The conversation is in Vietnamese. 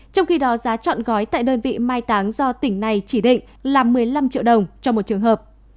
trong khi đó giá chọn gói tại đơn vị mai táng do tỉnh này chỉ định là một mươi năm triệu đồng cho một trường hợp